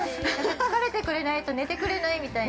◆疲れてくれないと寝てくれないみたいな。